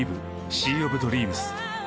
シー・オブ・ドリームス」。